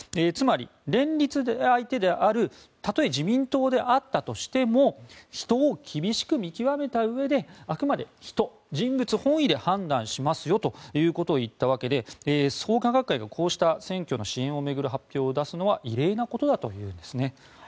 つまり連立であるたとえ自民党であったとしても人を厳しく見極めたうえであくまで人、人物本位で判断しますよということを言ったわけで創価学会がこうした選挙の支援を巡る発表を出すのは異例のことだということです。